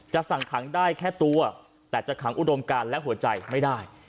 สั่งขังได้แค่ตัวแต่จะขังอุดมการและหัวใจไม่ได้